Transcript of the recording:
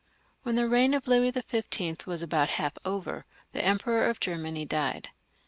When the reign of Louis XV. was about half over, the Emperor of Germany died.